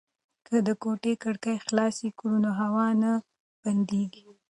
که د کوټې کړکۍ خلاصې کړو نو هوا نه بندیږي.